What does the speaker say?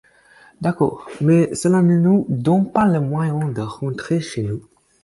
D’accord, mais cela ne nous donne pas le moyen de rentrer chez nous